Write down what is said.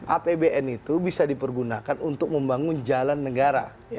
apbn itu bisa dipergunakan untuk membangun jalan negara